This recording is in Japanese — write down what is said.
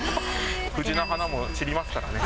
藤の花も散りますからね。